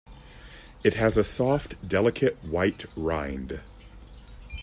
It has a soft, delicate white rind.